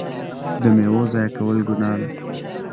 د میوو ضایع کول ګناه ده.